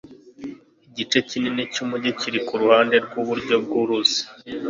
igice kinini cyumujyi kiri kuruhande rwiburyo bwuruzi